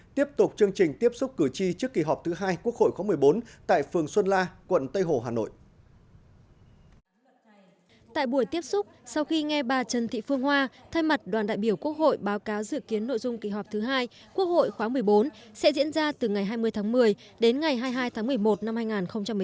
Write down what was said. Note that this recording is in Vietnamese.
tại buổi tiếp xúc sau khi nghe bà trần thị phương hoa thay mặt đoàn đại biểu quốc hội báo cáo dự kiến nội dung kỳ họp thứ hai quốc hội khóa một mươi bốn sẽ diễn ra từ ngày hai mươi tháng một mươi đến ngày hai mươi hai tháng một mươi một năm hai nghìn một mươi sáu